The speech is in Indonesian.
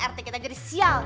rt kita jadi sial